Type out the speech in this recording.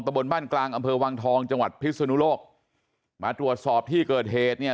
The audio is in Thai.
อัลตุบรุณบ้านกลางอำเภอวังทองจุฐฯพฤษณุโลกมาตรวจสอบที่เกิดเหตุเนี่ย